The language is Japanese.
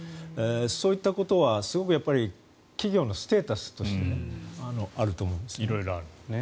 そういったことは、すごく企業のステータスとしてあると思うんですね。